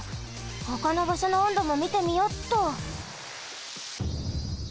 ほかのばしょの温度もみてみよっと。